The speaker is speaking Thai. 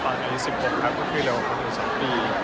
เข้าได้ตอน๑๖ครับก็คือเร็ว๒ปี